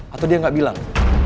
atau dia gak bilang